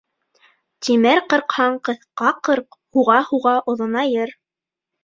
Тимер ҡырҡһаң ҡыҫҡа ҡырҡ: һуға-һуға оҙонайыр.